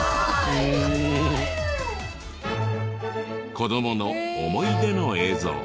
子どもの思い出の映像。